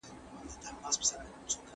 پاڼه باید د ونې لپاره يو څه کړي وای.